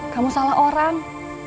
kamu salah orang